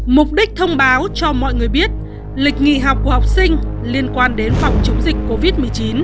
mục đích thông báo cho mọi người biết lịch nghỉ học của học sinh liên quan đến phòng chống dịch covid một mươi chín